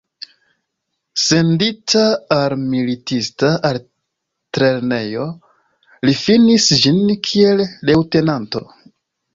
Sendita al militista altlernejo, li finis ĝin kiel leŭtenanto.